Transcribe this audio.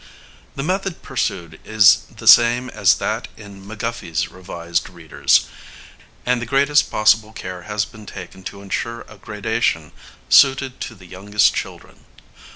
The method pursued is the same as that in McGuffey's Revised Readers, and the greatest possible care has been taken to insure a gradation suited to the youngest children.